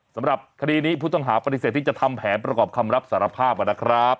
สำหรับคดีนี้ผู้ต้องหาปฏิเสธที่จะทำแผนประกอบคำรับสารภาพนะครับ